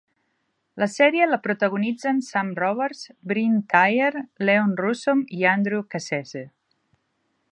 La sèrie la protagonitzen Sam Robards, Brynn Thayer, Leon Russom i Andrew Cassese.